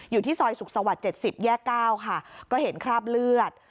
อยู่ที่ซอยสุขสวรรค์๗๐แยก๙ค่ะก็เห็นคราบเลือด